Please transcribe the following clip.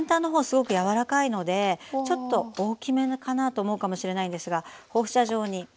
すごく柔らかいのでちょっと大きめかなと思うかもしれないんですが放射状に。